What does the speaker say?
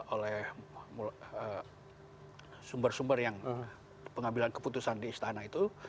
oleh sumber sumber yang pengambilan keputusan di istana itu